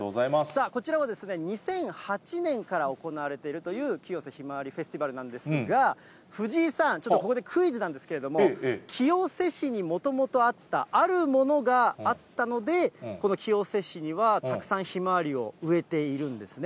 こちらは２００８年から行われているという、清瀬ひまわりフェスティバルなんですが、藤井さん、ちょっとここでクイズなんですけれども、清瀬市にもともとあった、あるものがあったので、この清瀬市には、たくさんひまわりを植えているんですね。